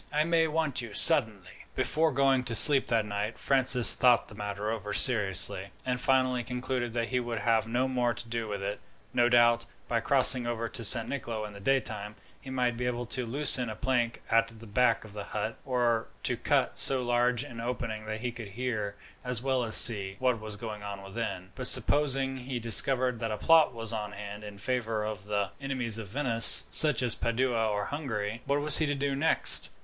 I may want you suddenly." Before going to sleep that night, Francis thought the matter over seriously, and finally concluded that he would have no more to do with it. No doubt, by crossing over to San Nicolo in the daytime, he might be able to loosen a plank at the back of the hut, or to cut so large an opening that he could hear, as well as see, what was going on within; but supposing he discovered that a plot was on hand in favour of the enemies of Venice, such as Padua or Hungary, what was he to do next?